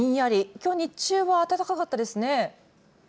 きょう日中は暖かかったですね。